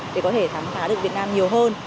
để có thể khám phá được việt nam nhiều hơn